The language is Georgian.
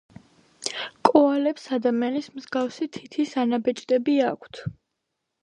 კოალებს ადამიანის მსგავსი თითის ანაბეჭდები აქვთ